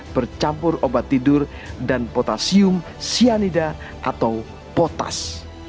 bercampur obat tidur dan potasium cyanida atau potas